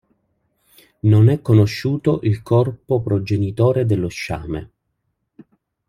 Non è conosciuto il corpo progenitore dello sciame.